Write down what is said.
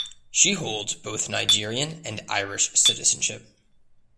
She holds both Nigerian and Irish citizenship.